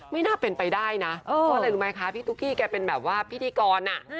ไม่น่าเป็นไปได้นะเพราะอะไรรู้ไหมคะพี่ตุ๊กกี้แกเป็นแบบว่าพิธีกร